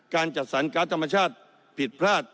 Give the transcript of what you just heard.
การจัดสรรการ์ดธรรมชาติผิดพลาด